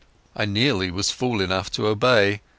I nearly was fool enough to obey.